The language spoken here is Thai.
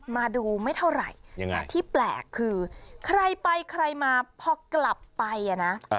มาดูไม่เท่าไหร่แต่ที่แปลกคือใครไปใครมาพอกลับไปอ่ะนะ